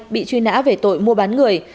bị truy nã về tội mua bán người